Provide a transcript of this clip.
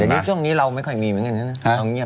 ตอนนี้ช่วงนี้เราไม่ค่อยมีไหมเหมือนกันเนี่ย